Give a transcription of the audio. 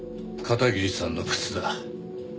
片桐さんの靴だ。